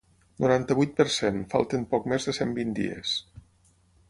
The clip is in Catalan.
Noranta-vuit per cent Falten poc més de cent vint dies.